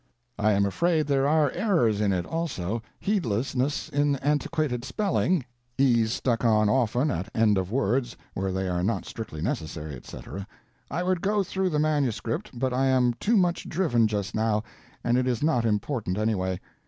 I am afraid there are errors in it, also, heedlessness in antiquated spelling e's stuck on often at end of words where they are not strictly necessary, etc..... I would go through the manuscript but I am too much driven just now, and it is not important anyway.